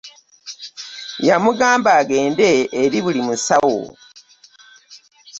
Yamugamba agende eri buli musawo .